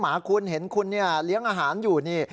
หมาคุณเห็นคุณเลี้ยงอาหารอยู่นี่